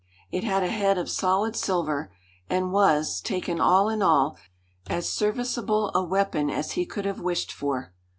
It had a head of solid silver, and was, taken all in all, as serviceable a weapon as he could have wished for.